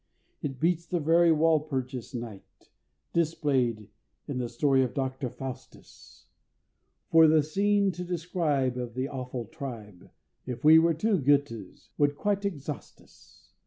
It beats the very Walpurgis Night, Displayed in the story of Doctor Faustus, For the scene to describe Of the awful tribe, If we were two Göthes, would quite exhaust us!